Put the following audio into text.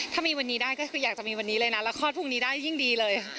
ถ้ามีวันนี้ได้ก็คืออยากจะมีวันนี้เลยนะแล้วคลอดพรุ่งนี้ได้ยิ่งดีเลย